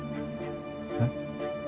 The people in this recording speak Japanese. えっ？